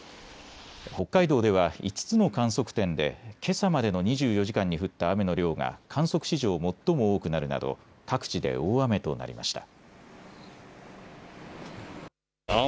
北海道では５つの観測点でけさまでの２４時間に降った雨の量が観測史上最も多くなるなど各地で大雨となりました。